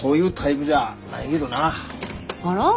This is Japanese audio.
あら？